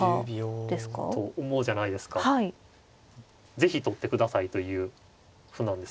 是非取ってくださいという歩なんですよね。